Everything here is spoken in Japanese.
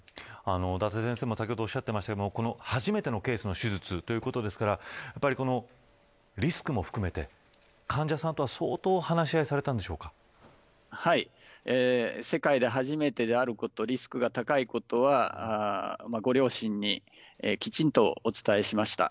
伊達先生も、先ほどおっしゃっていましたが初めての手術のケースということですからリスクも含めて患者さんとは相当世界で初めてであることリスクが高いことはご両親にきちんとお伝えしました。